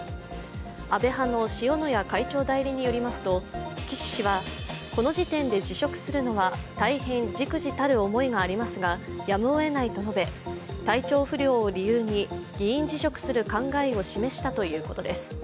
安倍派の塩谷会長代理によりますと、岸氏はこの時点で辞職するのは大変じくじたる思いがありますがやむをえないと述べ、体調不良を理由に議員辞職する考えを示したということです。